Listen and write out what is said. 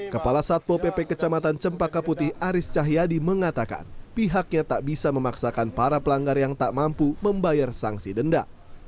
kepala satpo pp kecamatan cempaka putih aris cahyadi mengatakan pihaknya tak bisa memaksakan para pelanggar yang tak mampu membayar sanksi denda